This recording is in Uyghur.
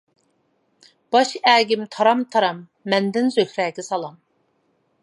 باشئەگىم تارام - تارام ، مەندىن زۆھرەگە سالام .